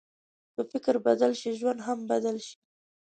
که فکر بدل شي، ژوند هم بدل شي.